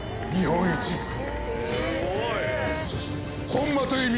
そして。